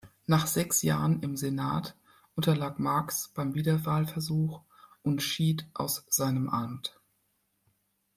Nach sechs Jahren im Senat unterlag Marks beim Wiederwahlversuch und schied aus seinem Amt.